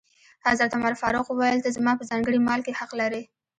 حضرت عمر فاروق وویل: ته زما په ځانګړي مال کې حق لرې.